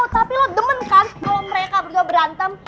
gue tau tapi lo demen kan kalo mereka berdua berantem